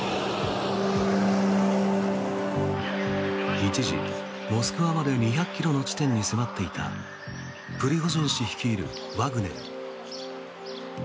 一時、モスクワまで２００ｋｍの地点に迫っていたプリゴジン氏率いるワグネル。